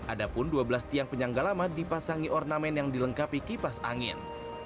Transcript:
ada pun dua belas tiang penyangga lama dipasangi ornamen yang dilengkapi kipas angin